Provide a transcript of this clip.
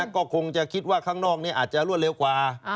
ก็คงจะคิดว่าข้างนอกนี้อาจจะรวดเร็วกว่า